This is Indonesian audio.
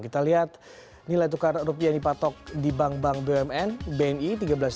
kita lihat nilai tukar rupiah yang dipatok di bank bank bumn bni tiga belas delapan ratus enam puluh lima